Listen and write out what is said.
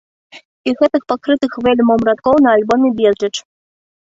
І гэтых пакрытых вэлюмам радкоў на альбоме безліч.